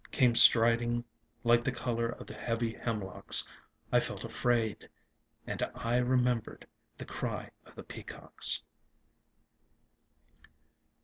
Came striding like the color of the heavy hemlocks. I felt afraid ŌĆö And I remembered the cry of the peacocks.